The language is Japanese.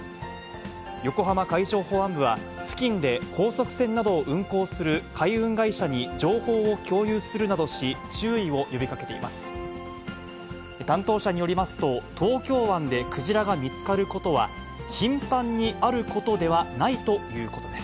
横浜海上保安部は、付近で高速船などを運航する海運会社に情報を共有するなどし、注意を呼びかけています。